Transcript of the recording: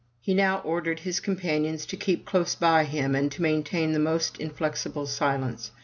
He now ordered his companions to keep close by him, and to main tain the most inflexible silence.